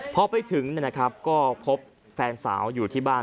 พอไปถึงก็พบแฟนสาวอยู่ที่บ้าน